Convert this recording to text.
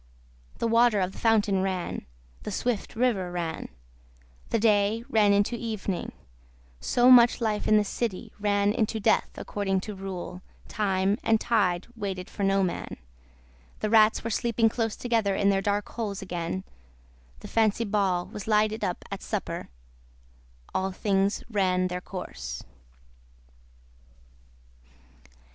The water of the fountain ran, the swift river ran, the day ran into evening, so much life in the city ran into death according to rule, time and tide waited for no man, the rats were sleeping close together in their dark holes again, the Fancy Ball was lighted up at supper, all things ran their course.